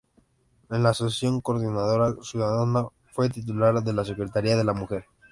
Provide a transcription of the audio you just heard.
En la Asociación Coordinadora Ciudadana fue titular de la Secretaría de la Mujer.